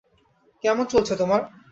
কেমন চলছে তোমার?